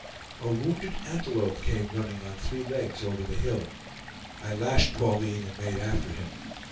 A wounded antelope came running on three legs over the hill. I lashed Pauline and made after him.